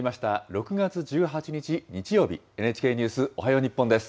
６月１８日日曜日、ＮＨＫニュースおはよう日本です。